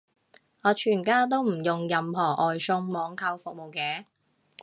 我全家都唔用任何外送網購服務嘅